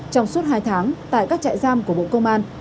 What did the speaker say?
trong suốt hai tháng tại các trại giam của bộ công an